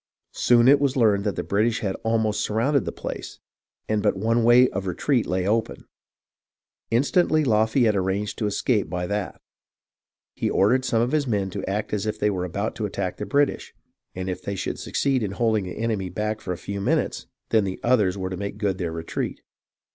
Soon it was learned that the British had almost sur rounded the place, and but one way of retreat lay open. Instantly Lafayette arranged to escape by that. He ordered some of his men to act as if they were about to attack the British, and if they should succeed in holding the enemy back for a few minutes, then the others were to make good their retreat.